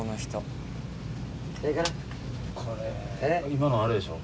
「今のあれでしょ？